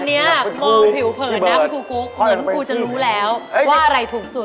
อันนี้มองผิวเผินนะคุณครูกุ๊กเหมือนคุณครูจะรู้แล้วว่าอะไรถูกสุด